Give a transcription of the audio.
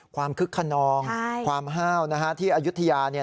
คึกขนองความห้าวนะฮะที่อายุทยาเนี่ย